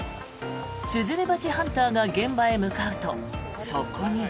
スズメバチハンターが現場へ向かうと、そこには。